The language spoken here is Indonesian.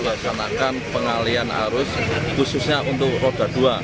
melaksanakan pengalian arus khususnya untuk roda dua